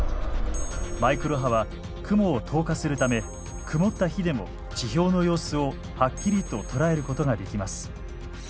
マイクロ波は雲を透過するため曇った日でも地表の様子をはっきりと捉えることができます。